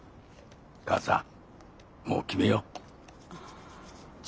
母さんもう決めよう。